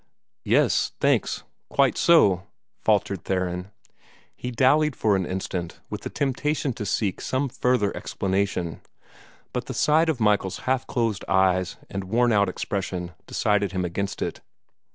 "Yes thanks quite so!" faltered Theron. He dallied for an instant with the temptation to seek some further explanation, but the sight of Michael's half closed eyes and worn out expression decided him against it.